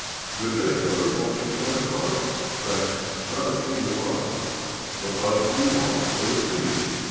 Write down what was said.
Good day, brother, won't you punt a card?" "Thanks rather give me a lodging." "What, lodging do you want? Stay with me."